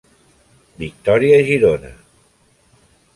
Victòria Girona.